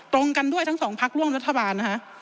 ตรงกันด้วยทั้งปักร่วมรัฐบาลนะครับ